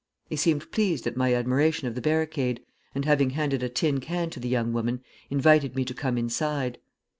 He seemed pleased at my admiration of the barricade, and having handed a tin can to the young woman, invited me to come inside.